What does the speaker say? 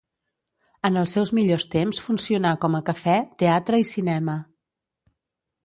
En els seus millors temps funcionà com a cafè, teatre i cinema.